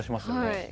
はい。